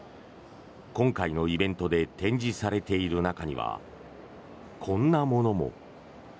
今回のイベントで展示されている中にはこんなものも。